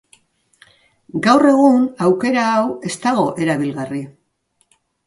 Gaur egun, aukera hau ez dago erabilgarri.